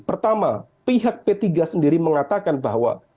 pertama pihak p tiga sendiri mengatakan bahwa